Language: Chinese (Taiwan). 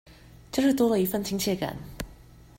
就是多了一分親切感